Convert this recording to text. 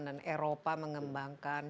dan eropa mengembangkan